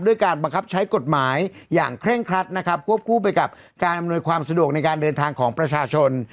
การบังคับใช้กฎหมายอย่างเคร่งครัดนะครับควบคู่ไปกับการอำนวยความสะดวกในการเดินทางของประชาชน